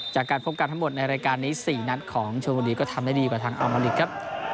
จากการพบกันทั้งหมดในรายการใน๔นัดของชวนบุรีก็ทำได้ดีกว่าทางอภิวัติจันทร์ครับ